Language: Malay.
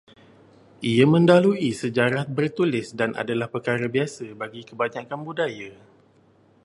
Ia mendahului sejarah bertulis dan adalah perkara biasa bagi kebanyakan budaya